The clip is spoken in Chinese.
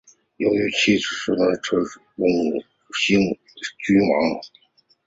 由其子朱诚澜承袭永兴郡王。